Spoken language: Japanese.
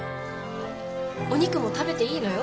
お肉も食べていいのよ。